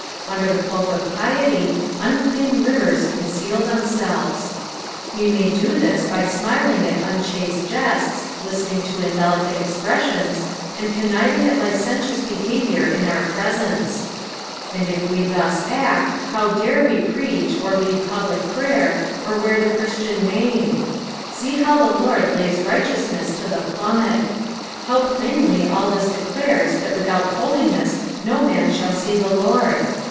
Under the cloak of piety, unclean livers conceal themselves. We niay_ do this b; smiling at unchaste jests, listening to indelicate expressions, and conniving at licentious behaviour in our presence ; and if we thus act, liow dare we preach, or lead public prayer, or wear the Christian name 1 See how the Lord lays righteousness to the plummet. How plainly all this declares that without holiness no man shall see the Lord